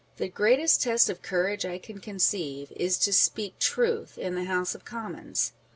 The greatest test of courage I can conceive, is to speak truth in the House of Commons.